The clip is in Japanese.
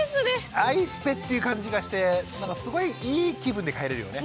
「アイスペ」っていう感じがしてなんかすごいいい気分で帰れるよね。